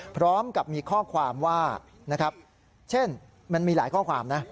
พร้อมกับมีข้อความว่านะครับเช่นมันมีหลายข้อความนะ